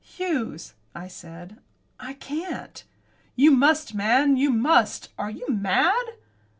"Hughes," I said, "I can't." "You must, man, you must! Are you mad?"